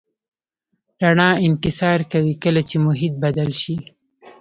رڼا انکسار کوي کله چې محیط بدل شي.